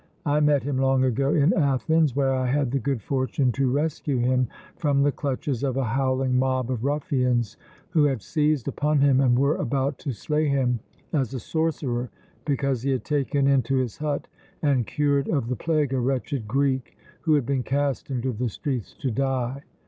I met him long ago in Athens, where I had the good fortune to rescue him from the clutches of a howling mob of ruffians who had seized upon him and were about to slay him as a sorcerer because he had taken into his hut and cured of the plague a wretched Greek who had been cast into the streets to die!